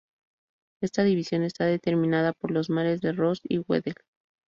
Esta división está determinada por los mares de Ross y Weddell.